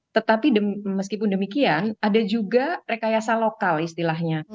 tetapi meskipun demikian ada juga rekayasa lokal istilahnya